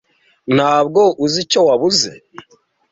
Ntabwo uzi icyo wabuze.